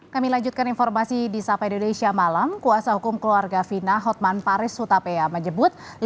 kami lanjutkan informasi di sapa indonesia malam kuasa hukum keluarga fina hotman paris hutapea menyebut